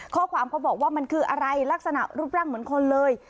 ข้อความเขาบอกว่ามันคืออะไรลักษณะรูปร่างเหมือนคนเลย